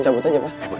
cabut aja pak